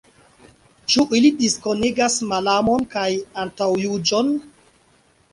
Ĉu ili diskonigas malamon kaj antaŭjuĝon?